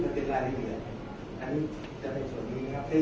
แต่ว่าไม่มีปรากฏว่าถ้าเกิดคนให้ยาที่๓๑